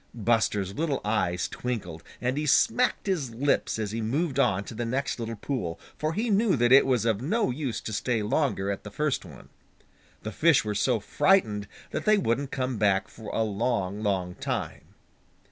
Buster's little eyes twinkled, and he smacked his lips as he moved on to the next little pool, for he knew that it was of no use to stay longer at the first one. The fish were so frightened that they wouldn't come back for a long, long time.